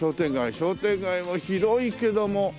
商店街も広いけども。